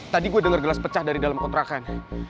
tadi gue dengar gelas pecah dari dalam kontrakan